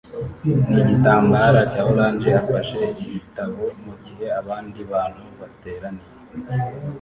nigitambara cya orange afashe igitabo mugihe abandi bantu bateraniye